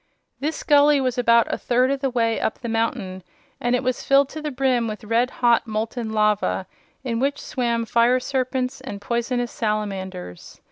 This gully was about a third of the way up the mountain, and it was filled to the brim with red hot molten lava in which swam fire serpents and poisonous salamanders.